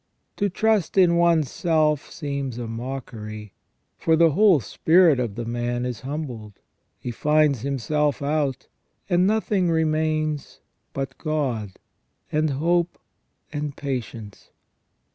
To trust in one's self seems a mockery, for the whole spirit of the man is humbled, he finds him self out, and nothing remains but God, and hope, and patience.